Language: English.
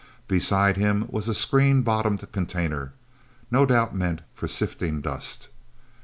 Beside him was a screen bottomed container, no doubt meant for sifting dust.